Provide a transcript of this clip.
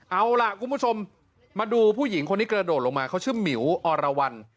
เอาล่ะคุณผู้ชมมาดูผู้หญิงคนนี้กระโดดลงมาเขาชื่อหมิ๋วอรวรรณ